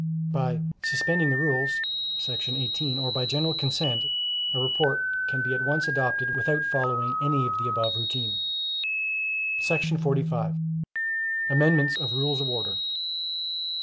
By "suspending the rules" [§ 18], or by general consent, a report can be at once adopted without following any of the above routine. 45. Amendments of Rules of Order.